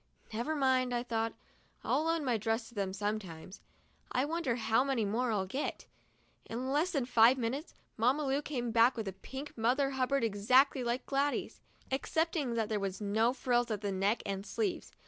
"Never mind," I thought; "I'll loan my dress to them sometimes. I wonder how many more I'll get." In less than five minutes, Mamma Lu came back with a pink Mother Hubbard exactly like Gladys's, excepting that there were no frills at the neck and sleeves.